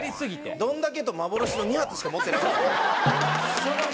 「どんだけ！」と「まぼろし！」の２発しか持ってなかったんで。